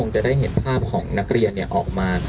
จะได้เห็นภาพของนักเรียนออกมา